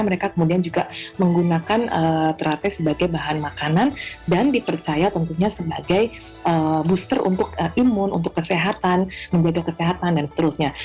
mereka kemudian juga menggunakan terate sebagai bahan makanan dan dipercaya tentunya sebagai booster untuk imun untuk kesehatan menjaga kesehatan dan seterusnya